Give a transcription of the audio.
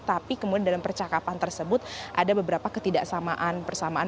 tapi kemudian dalam percakapan tersebut ada beberapa ketidaksamaan persamaan